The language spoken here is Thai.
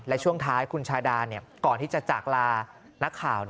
และช่วงท้ายคุณชาดาก่อนที่จะจากลานักข่าว